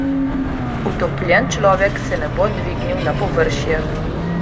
Utopljen človek se ne bo dvignil na površje.